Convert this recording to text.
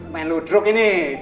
main ludruk ini